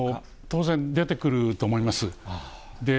当然、出てくると思います。